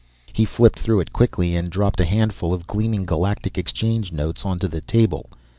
He flipped through it quickly and dropped a handful of gleaming Galactic Exchange notes onto the table.